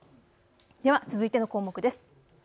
では続いての項目です。